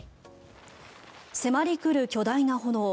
迫り来る巨大な炎。